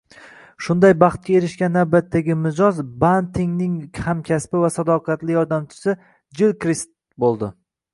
Shunday baxtga erishgan navbatdagi mijoz Bantingning hamkasbi va sadoqatli yordamchisi Jilkrist bo‘ldi